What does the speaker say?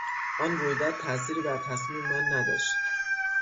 آن رویداد تاثیری بر تصمیم من نداشت.